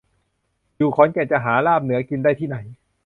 อยู่ขอนแก่นจะหาลาบเหนือกินได้ที่ไหน